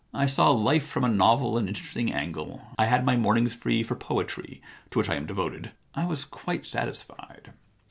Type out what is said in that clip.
I saw life from a novel and interesting angle. I had my mornings free for poetry, to which I am devoted. I was quite satisfied.